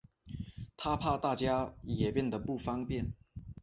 她怕大家也变得不方便